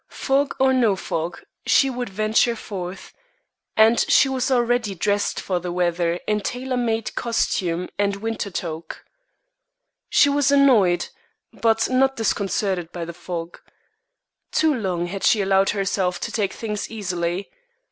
Fog or no fog, she would venture forth, and she was already dressed for the weather in tailor made costume and winter toque. She was annoyed, but not disconcerted by the fog. Too long had she allowed herself to take things easily.